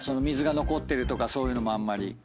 水が残ってるとかそういうのもあんまり。